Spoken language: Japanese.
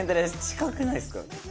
近くないっすか？